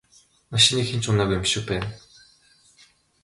Машиныг хэн ч унаагүй юм шиг байна.